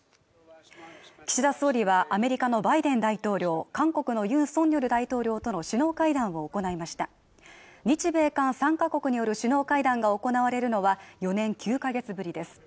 岸田総理はアメリカのバイデン大統領韓国のユン・ソンニョル大統領との首脳会談を行いました日米韓３か国による首脳会談が行われるのは４年９か月ぶりです